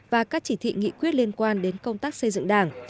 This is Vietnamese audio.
và các chỉ thị nghị quyết liên quan đến công tác xây dựng đảng